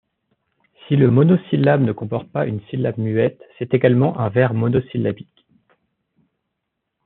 Si le monosyllabe ne comporte pas une syllabe muette, c'est également un vers monosyllabique.